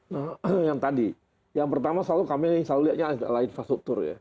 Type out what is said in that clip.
nah yang tadi yang pertama kami selalu lihatnya adalah infrastruktur ya